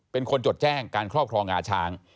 เป็นคนจดแจ้งการครอบครองงาช้าง